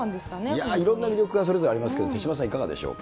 いやー、いろんな魅力がそれぞれありますけれども、手嶋さん、いかがでしょう？